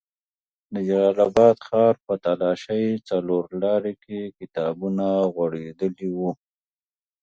د جلال اباد ښار په تالاشۍ څلور لاري کې کتابونه غوړېدلي وو.